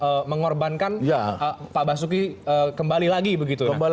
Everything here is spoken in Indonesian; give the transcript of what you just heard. tapi justru mengorbankan pak basuki kembali lagi begitu